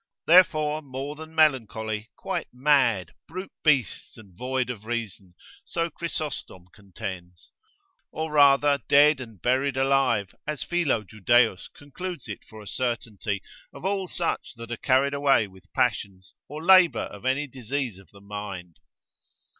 Therefore more than melancholy, quite mad, brute beasts, and void of reason, so Chrysostom contends; or rather dead and buried alive, as Philo Judeus concludes it for a certainty, of all such that are carried away with passions, or labour of any disease of the mind.